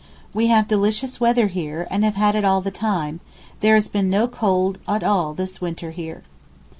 We have delicious weather here and have had all the time; there has been no cold at all this winter here.